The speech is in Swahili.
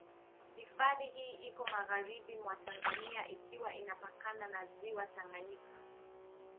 Hifadhi hii iko magharibi mwa Tanzania ikiwa inapakana na Ziwa Tanganyika.